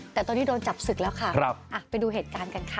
แต่ตอนนี้โดนจับศึกแล้วค่ะไปดูเหตุการณ์กันค่ะ